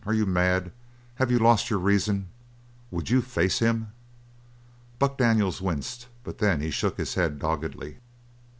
"Are you mad? Have you lost your reason? Would you face him?" Buck Daniels winced, but he then shook his head doggedly.